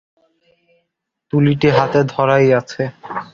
তুলিটি হাতে ধরাই আছে।